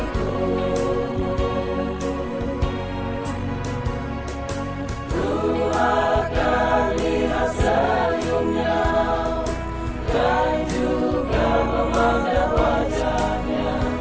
kau akan lihat senyumnya dan juga memandang wajahnya